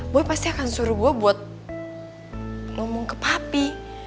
gue pasti akan suruh gue buat ngomong ke papi